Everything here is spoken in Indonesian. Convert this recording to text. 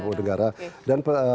lima puluh an negara oke